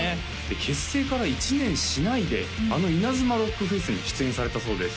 結成から１年しないであのイナズマロックフェスに出演されたそうです